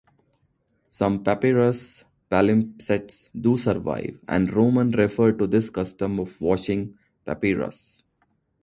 Some papyrus palimpsests do survive, and Romans referred to this custom of washing papyrus.